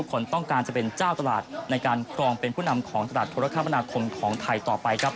คนต้องการจะเป็นเจ้าตลาดในการครองเป็นผู้นำของตลาดโทรคมนาคมของไทยต่อไปครับ